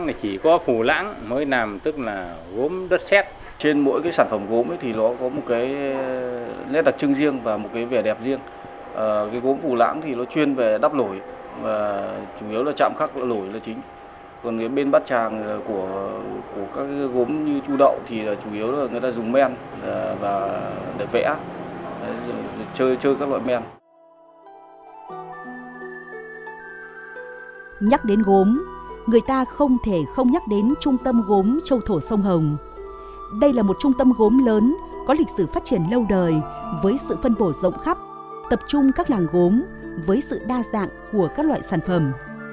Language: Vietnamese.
đây là một trung tâm gốm lớn có lịch sử phát triển lâu đời với sự phân bổ rộng khắp tập trung các làng gốm với sự phân bổ rộng khắp tập trung các làng gốm với sự phân bổ rộng khắp